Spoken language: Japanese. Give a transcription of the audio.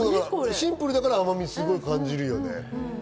シンプルだから甘みを感じるよね。